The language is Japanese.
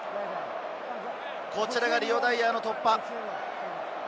こちらがリオ・ダイアーの突破。